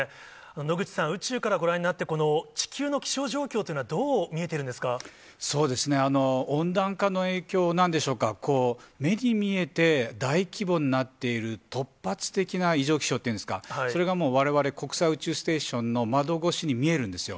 野口さん、宇宙からご覧になって、この地球の気象状況というのは、温暖化の影響なんでしょうか、目に見えて大規模になっている、突発的な異常気象っていうんですか、それがもうわれわれ、国際宇宙ステーションの窓越しに見えるんですよ。